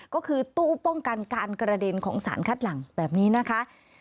ก็คือตู้ป้องกันการกระเด็นของสารคัดหลังแบบนี้นะคะ